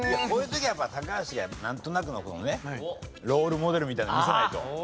こういう時はやっぱ高橋がなんとなくのこうねロールモデルみたいなのを見せないと。